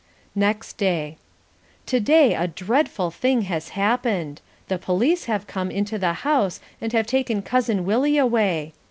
Next Day To day a dreadful thing has happened. The police have come into the house and have taken Cousin Willie away.